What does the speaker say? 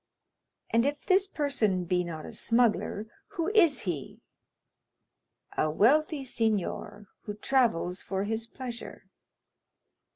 "And if this person be not a smuggler, who is he?" "A wealthy signor, who travels for his pleasure."